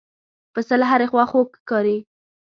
پسه له هرې خوا خوږ ښکاري.